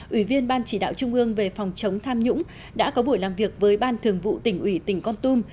ủy viên ban chỉ đạo trung ương về phòng chống tham nhũng đã có buổi làm việc với ban thường vụ tỉnh ủy tỉnh con tum